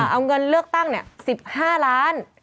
เอาเงินเลือกตั้ง๑๕ล้าน